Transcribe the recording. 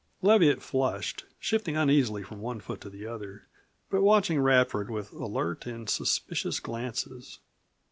Leviatt flushed, shifting uneasily from one foot to the other, but watching Radford with alert and suspicious glances.